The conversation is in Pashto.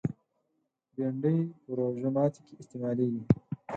بېنډۍ په روژه ماتي کې استعمالېږي